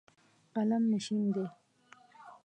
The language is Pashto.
قلم مې شین دی.